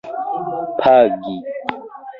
pagi